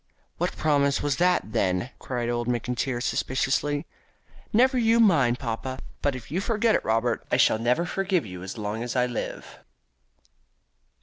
"What promise was that, then?" cried old McIntyre suspiciously. "Never you mind, papa. But if you forget it, Robert, I shall never forgive you as long as I live."